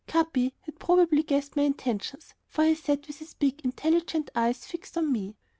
Capi had probably guessed my intentions, for he sat with his big, intelligent eyes fixed on me.